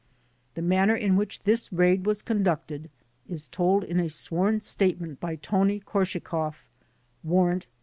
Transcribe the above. The manner in which this raid was conducted is told in a sworn statement by Tony Korscheikoflf (Warrant No.